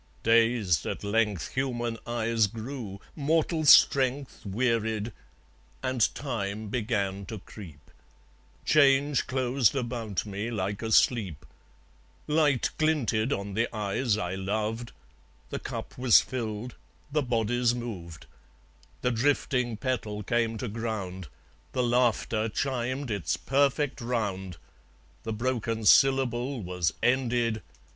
Dazed at length Human eyes grew, mortal strength Wearied; and Time began to creep. Change closed about me like a sleep. Light glinted on the eyes I loved. The cup was filled. The bodies moved. The drifting petal came to ground. The laughter chimed its perfect round. The broken syllable was ended.